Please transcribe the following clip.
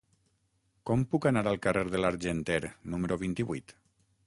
Com puc anar al carrer de l'Argenter número vint-i-vuit?